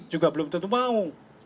juga belum tentu mau